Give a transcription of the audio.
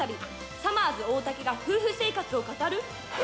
［さまぁず大竹が夫婦生活を語る？］